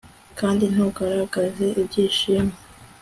kandi ntugaragaze ibyishimo